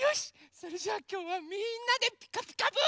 それじゃあきょうはみんなで「ピカピカブ！」。